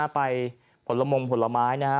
ไปผลมงผลไม้นะฮะ